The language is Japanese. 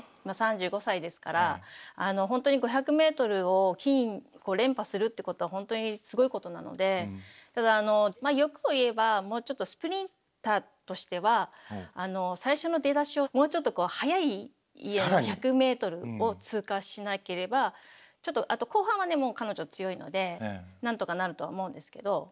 まあ３５歳ですから本当に５００ｍを金連覇するってことは本当にすごいことなのでただあの欲を言えばもうちょっとスプリンターとしては最初の出だしをもうちょっと速い１００ｍを通過しなければちょっとあと後半はね彼女強いのでなんとかなるとは思うんですけど。